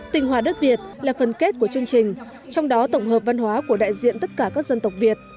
tinh hoa đất việt là phần kết của chương trình trong đó tổng hợp văn hóa của đại diện tất cả các dân tộc việt